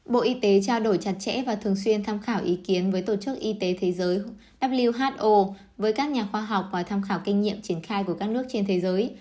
bộ y tế trao đổi chặt chẽ và thường xuyên tham khảo ý kiến với tổ chức y tế thế giới who với các nhà khoa học và tham khảo kinh nghiệm triển khai của các nước trên thế giới